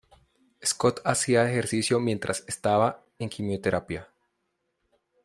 Scott, hacia ejercicio mientras estaba en quimioterapia.